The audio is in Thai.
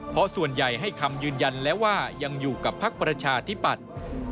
เพราะส่วนใหญ่ให้คำยืนยันแล้วว่ายังอยู่กับพักประชาธิปัตย์